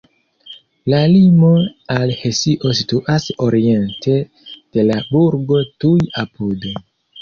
La limo al Hesio situas oriente de la burgo tuj apude.